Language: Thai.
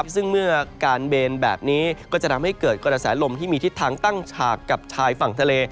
ซึ่งเมื่อการเบนแบบนี้ก็จะทำให้เกิดกระแสลมที่มีทิศทางตั้งฉากกับชายฝั่งทะเล